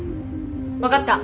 わかった。